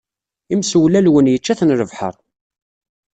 Imsewlalwen yečča-ten lebḥer.